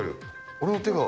俺の手が。